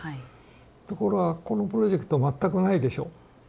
ところがこのプロジェクト全くないでしょ。